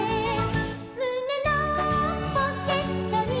「むねのポケットに」